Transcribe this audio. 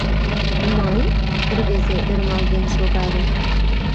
— Мый?! — рвезе ӧрмалген шогале.